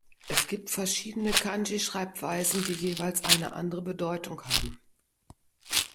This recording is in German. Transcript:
Es gibt verschiedene Kanji-Schreibweisen, die jeweils eine andere Bedeutung haben.